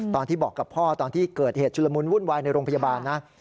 ตอนที่บอกกับพ่อตอนที่เกิดเหตุชุลมุนวุ่นวายในโรงพยาบาลนะ